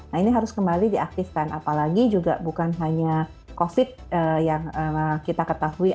nah ini harus kembali diaktifkan apalagi juga bukan hanya covid yang kita ketahui